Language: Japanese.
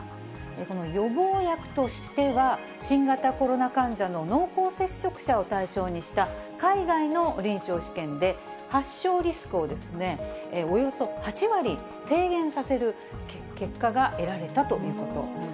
この予防薬としては、新型コロナ患者の濃厚接触者を対象にした海外の臨床試験で、発症リスクをおよそ８割低減させる結果が得られたということなん